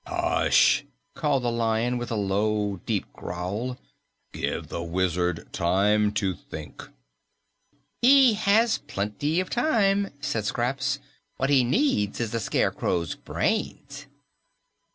"Hush!" called the Lion with a low, deep growl. "Give the Wizard time to think." "He has plenty of time," said Scraps. "What he needs is the Scarecrow's brains."